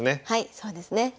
はいそうですね。